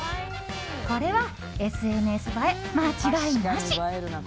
これはＳＮＳ映え間違いなし。